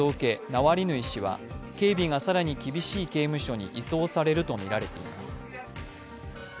ナワリヌイ氏は、警備が更に厳しい刑務所に移送されるとみられています。